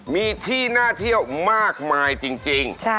มีที่น่าเที่ยวมากมายจริง